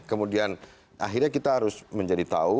kemudian akhirnya kita harus menjadi tahu